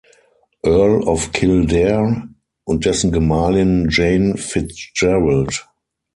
Earl of Kildare, und dessen Gemahlin Jane Fitzgerald.